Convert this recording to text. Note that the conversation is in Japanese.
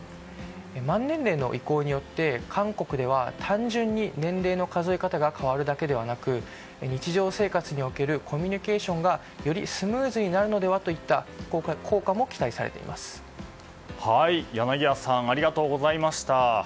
満年齢の意向によって、韓国では単純に年齢の数え方が変わるだけではなく日常生活におけるコミュニケーションがよりスムーズになるのではといった柳谷さんありがとうございました。